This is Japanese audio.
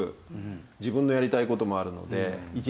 自分のやりたい事もあるので。